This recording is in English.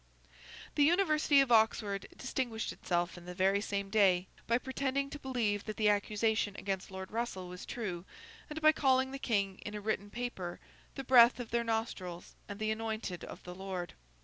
The University of Oxford distinguished itself on the very same day by pretending to believe that the accusation against Lord Russell was true, and by calling the King, in a written paper, the Breath of their Nostrils and the Anointed of the Lord.